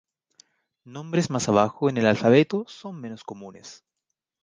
Nombres más abajo en el alfabeto son menos comunes.